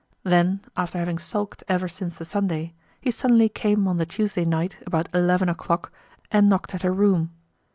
Then, after having sulked ever since the Sunday, he suddenly came on the Tuesday night about eleven o'clock and knocked at her room.